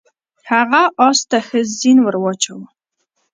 هغه اس ته ښه زین ور واچاوه.